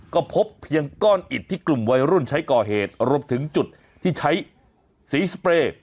ก็พบเพียงก้อนอิดที่กลุ่มวัยรุ่นใช้ก่อเหตุรวมถึงจุดที่ใช้สีสเปรย์